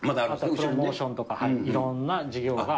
プロモーションとかいろんな授業が。